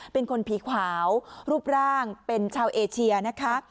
เป็นคนผีขาวรูปร่างเป็นชาวเอเชียนะคะ